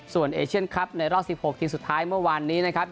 ส่วนเอเชียนคลับในรอบ๑๖ทีมสุดท้ายเมื่อวานนี้นะครับ